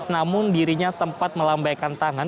namun dirinya sempat melambaikan tangan